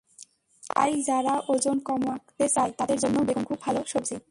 তাই যারা ওজন কমাতে চায়, তাদের জন্যও বেগুন খুব ভালো সবজি।